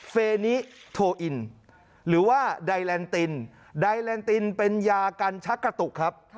เฟนิโทอินหรือว่าไดแลนตินไดแลนตินเป็นยากันชักกระตุกครับ